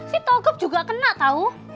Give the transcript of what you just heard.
si togop juga kena tau